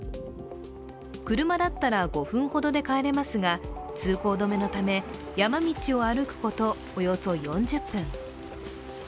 車だったら５分ほどで帰れますが通行止めのため、山道を歩くことおよそ４０分。